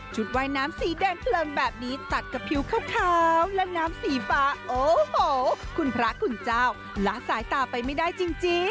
ว่ายน้ำสีแดงเพลิงแบบนี้ตัดกับผิวขาวและน้ำสีฟ้าโอ้โหคุณพระคุณเจ้าละสายตาไปไม่ได้จริง